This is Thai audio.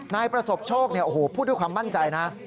นายประสบโชคพูดด้วยความมั่นใจนะ